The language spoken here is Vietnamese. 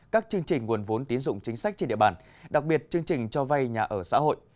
các chương trình nguồn vốn tín dụng chính sách trên địa bàn đặc biệt chương trình cho vay nhà ở xã hội